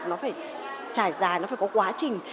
nó phải trải dài nó phải có quá trình